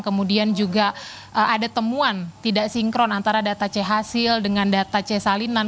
kemudian juga ada temuan tidak sinkron antara data c hasil dengan data c salinan